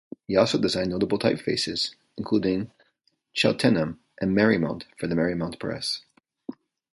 He also designed notable typefaces, including Cheltenham and Merrymount for the Merrymount Press.